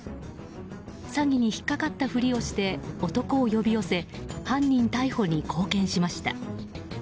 詐欺に引っかかったふりをして男を呼び寄せ犯人逮捕に貢献しました。